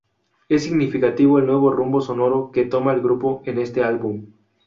Es significativo el nuevo rumbo sonoro que toma el grupo en este álbum.